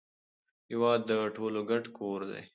هیواد د ټولو ګډ کور دی.